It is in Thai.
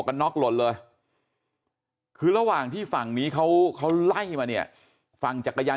กันน็อกหล่นเลยคือระหว่างที่ฝั่งนี้เขาไล่มาเนี่ยฝั่งจักรยาน